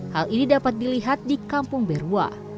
hal ini dapat dilihat di kampung beruah